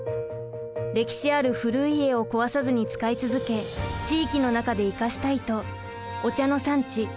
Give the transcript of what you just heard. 歴史ある古い家を壊さずに使い続け地域の中で生かしたいとお茶の産地